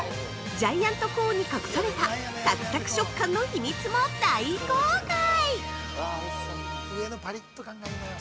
ジャイアントコーンに隠されたサクサク食感の秘密も大公開！